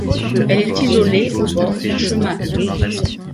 Elle est isolée, au bord d'un chemin.